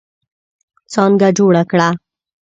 څانګه جوړه کړه.